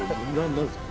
何ですか？